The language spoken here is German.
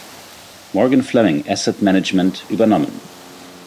Morgan Fleming Asset Management übernommen.